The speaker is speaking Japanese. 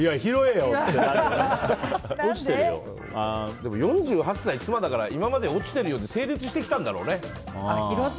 でも４８歳、妻だから今まで落ちてるよで成立してきたんだろね。